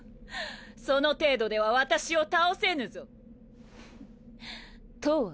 その程度では私を倒せぬぞ。とわ！